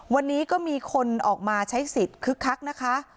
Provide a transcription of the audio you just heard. วันนี้ก็มีคนออกมาใช้สิทธิ์คึกคักนะคะ